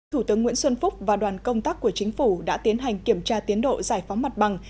thủ tướng nguyễn xuân phúc và đoàn công tác của chính phủ đã tiến hành kiểm tra tiến độ giải phóng mặt bằng